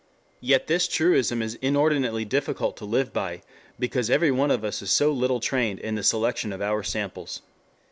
Yet this truism is inordinately difficult to live by, because every one of us is so little trained in the selection of our samples.